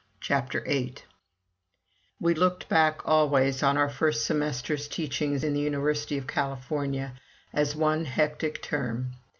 CHAPTER VIII We looked back always on our first semester's teaching in the University of California as one hectic term.